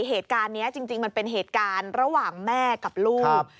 เหตุการณ์นี้จริงมันเป็นเหตุการณ์ระหว่างแม่กับลูก